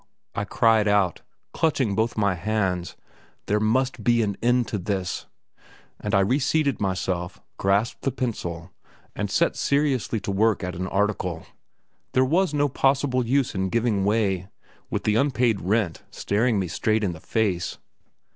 I cried out, clutching both my hands; "there must be an end to this," and I reseated myself, grasped the pencil, and set seriously to work at an article. There was no possible use in giving way, with the unpaid rent staring me straight in the face.